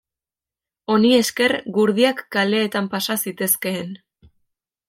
Honi esker gurdiak kaleetan pasa zitezkeen.